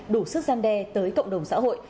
đủ sức gian đe tới cộng đồng xã hội